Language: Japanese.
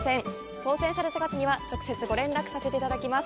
当せんされた方には、直接ご連絡させていただきます。